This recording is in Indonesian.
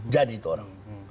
jadi itu orang